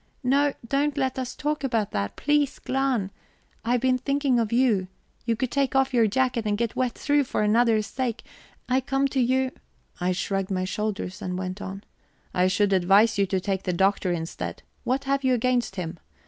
"No, don't let us talk about that, please. Glahn, I have been thinking of you; you could take off your jacket and get wet through for another's sake; I come to you ..." I shrugged my shoulders and went on: "I should advise you to take the Doctor instead. What have you against him?